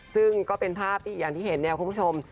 ซึ่งก็เป็นภาพที่อย่างที่เห็นเนี่ยคุณผู้ชม